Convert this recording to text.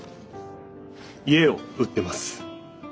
家を売ってます。